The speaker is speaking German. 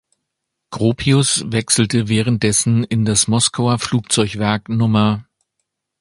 Gropius wechselte währenddessen in das Moskauer Flugzeugwerk Nr.